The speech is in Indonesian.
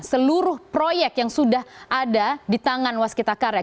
seluruh proyek yang sudah ada di tangan waskita karya